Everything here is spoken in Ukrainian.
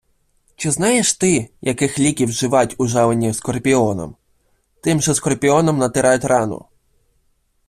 Чи знаєш ти, яких ліків вживають ужалені скорпіоном? Тим же скорпіоном натирають рану.